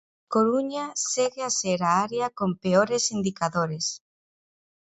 Coruña segue a ser a área con peores indicadores.